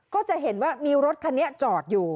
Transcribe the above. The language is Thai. ก็จะเห็นว่ามีรถคันนี้จอดอยู่